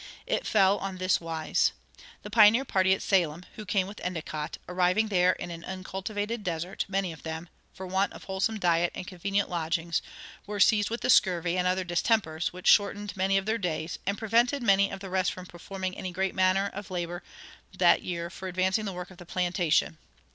It fell on this wise. The pioneer party at Salem who came with Endicott, "arriving there in an uncultivated desert, many of them, for want of wholesome diet and convenient lodgings, were seized with the scurvy and other distempers, which shortened many of their days, and prevented many of the rest from performing any great matter of labor that year for advancing the work of the plantation."